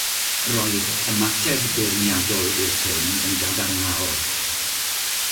Roedd ymateb beirniadol i'r ffilm yn gadarnhaol.